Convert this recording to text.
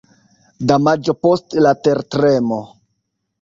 Damaĝo post la tertremo.